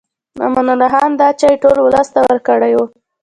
امان الله خان دا چای ټول ولس ته ورکړی و.